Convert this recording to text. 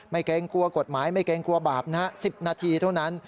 เกรงกลัวกฎหมายไม่เกรงกลัวบาปนะฮะ๑๐นาทีเท่านั้น